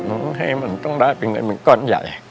ให้มันต้องได้เป็นเงินมันก้อนใหญ่